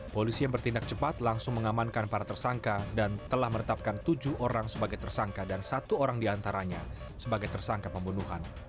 polisi yang bertindak cepat langsung mengamankan para tersangka dan telah meretapkan tujuh orang sebagai tersangka dan satu orang diantaranya sebagai tersangka pembunuhan